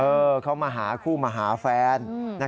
เขามาหาคู่มาหาแฟน